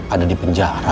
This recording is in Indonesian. ada di penjara